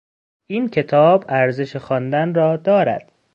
این کتاب ارزش خواندن را دارد.